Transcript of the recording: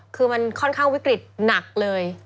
คือมันค่อนข้างวิกฤตหนักเลย